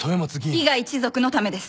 伊賀一族のためです。